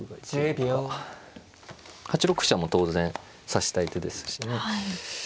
８六飛車も当然指したい手ですしね。